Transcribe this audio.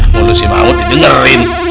mulut si mahmud didengerin